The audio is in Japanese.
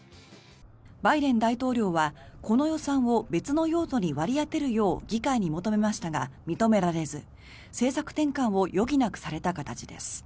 バイデン大統領は、この予算を別の用途に割り当てるよう議会に求めましたが認められず政策転換を余儀なくされた形です。